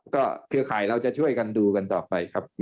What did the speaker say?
เครือข่ายเราจะช่วยกันดูกันต่อไปครับ